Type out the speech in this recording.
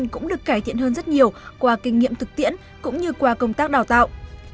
cũng được cải thiện hơn rất nhiều qua kinh nghiệm thực tiễn cũng như qua công tác đào tạo